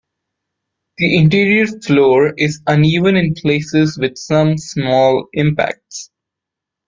The interior floor is uneven in places with some small impacts.